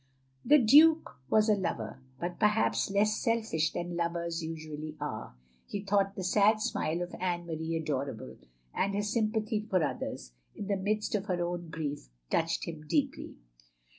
" The Duke was a lover, but perhaps less selfish than lovers usually are; he thought the sad smile of Anne Marie adorable; and her sympathy for others, in the midst of her own grief, touched him deeply.